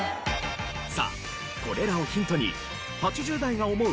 さあこれらをヒントに８０代が思う